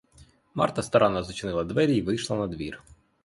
Марта старанно зачинила двері й вийшла надвір.